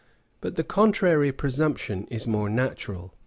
But the contrary presumption is more natural.